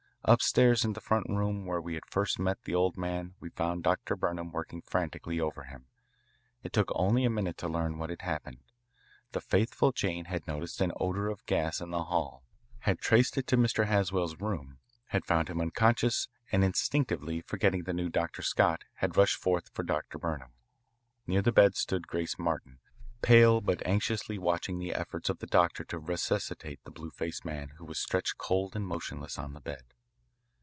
Upstairs in the front room where we had first met the old man we found Dr. Burnham working frantically over him. It took only a minute to learn what had happened. The faithful Jane had noticed an odour of gas in the hall, had traced it to Mr. Haswell's room, had found him unconscious, and instinctively, forgetting the new Dr. Scott, had rushed forth for Dr. Burnham. Near the bed stood Grace Martin, pale but anxiously watching the efforts of the doctor to resuscitate the blue faced man who was stretched cold and motionless on the bed.